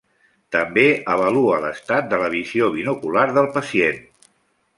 També avalua l'estat de la visió binocular del pacient.